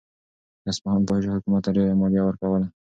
د اصفهان فاحشو حکومت ته ډېره مالیه ورکوله.